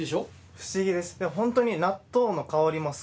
不思議です。